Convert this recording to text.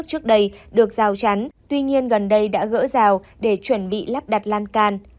trước đây được rào chắn tuy nhiên gần đây đã gỡ rào để chuẩn bị lắp đặt lan can